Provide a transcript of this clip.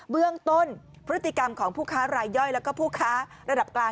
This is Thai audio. เบื้องต้นพฤติกรรมของผู้ค้ารายย่อยแล้วก็ผู้ค้าระดับกลาง